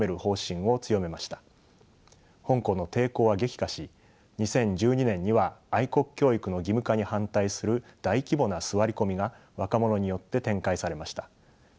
香港の抵抗は激化し２０１２年には愛国教育の義務化に反対する大規模な座り込みが若者によって展開されました。